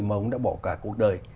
mà ông ấy đã bỏ cả cuộc đời